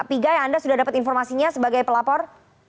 pigai anda sudah dapat informasinya sebagai pelapor